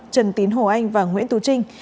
trần tín hồ anh và nguyễn tú trinh